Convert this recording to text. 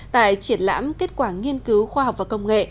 tại triển lãm kết quả nghiên cứu khoa học và công nghệ